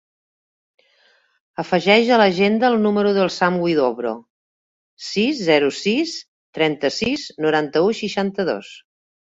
Afegeix a l'agenda el número del Sam Huidobro: sis, zero, sis, trenta-sis, noranta-u, seixanta-dos.